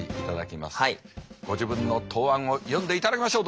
ご自分の答案を読んでいただきましょう。